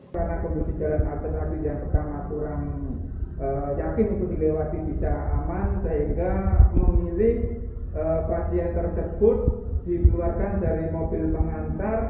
kita memilih pasien tersebut dibuatkan dari mobil pengantar